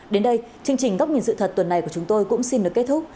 đến đây chương trình góc nhìn sự thật tuần này của chúng tôi cũng xin được kết thúc